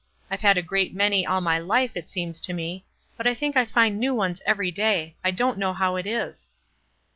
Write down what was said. I've had a great many all my life, it seems to me ; hut I think I find new ones every day. I don't know how it is."